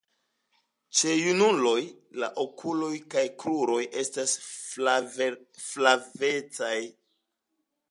Ĉe junuloj la okuloj kaj kruroj estas flavecaj.